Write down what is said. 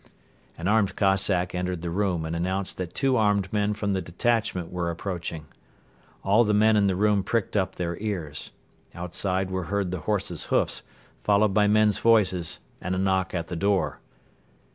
An armed Cossack entered the room and announced that two armed men from the detachment were approaching. All the men in the room pricked up their ears. Outside were heard the horses' hoofs followed by men's voices and a knock at the door.